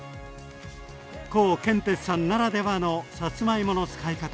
コウケンテツさんならではのさつまいもの使い方。